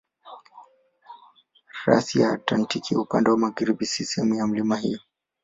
Rasi ya Antaktiki upande wa magharibi si sehemu ya milima hiyo.